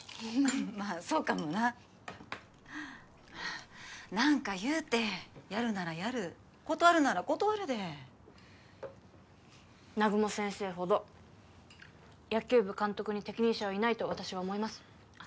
まあそうかもな何か言うてやるならやる断るなら断るで南雲先生ほど野球部監督に適任者はいないと私は思いますあっ